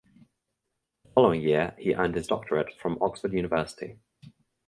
The following year he earned his doctorate from Oxford University.